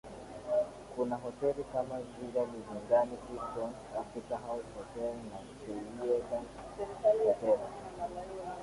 Kuna hoteli kama vile Mizingani Seafront Hotel Africa House Hotel na Seyyida Hotel